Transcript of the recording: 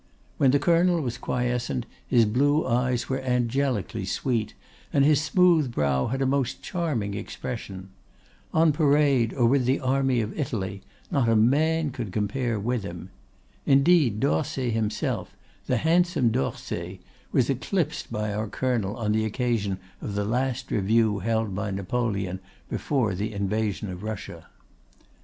When the Colonel was quiescent, his blue eyes were angelically sweet, and his smooth brow had a most charming expression. On parade, or with the army of Italy, not a man could compare with him. Indeed, d'Orsay himself, the handsome d'Orsay, was eclipsed by our colonel on the occasion of the last review held by Napoleon before the invasion of Russia.